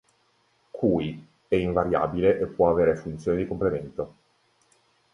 Cui: è invariabile e può avere funzione di complemento.